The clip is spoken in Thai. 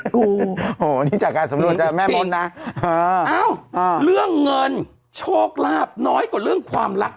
โอ้โหนี่จากการสำรวจนะแม่นะเรื่องเงินโชคลาภน้อยกว่าเรื่องความรัก